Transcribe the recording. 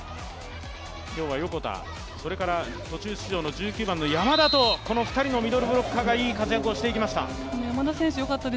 今日は横田とそれから途中出場の１９番の山田と、この２人のミドルブロッカーが、いい活躍をしていきました。